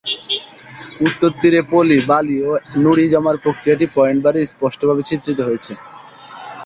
উত্তল তীরে পলি, বালি এবং নুড়ি জমার প্রক্রিয়াটি পয়েন্ট বার-এ স্পষ্টভাবে চিত্রিত হয়েছে।